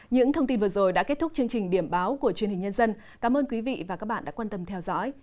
những thông tin vừa rồi đã kết thúc chương trình điểm báo của truyền hình nhân dân cảm ơn quý vị và các bạn đã quan tâm theo dõi